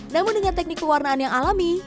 namun dengan teknik pewarnaan yang alami